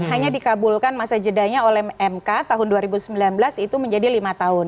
hanya dikabulkan masa jedanya oleh mk tahun dua ribu sembilan belas itu menjadi lima tahun